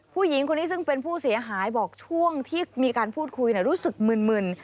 ผู้หญิงคนนี้ซึ่งเป็นผู้เสียหายบอกช่วงที่มีการพูดคุยรู้สึกมึน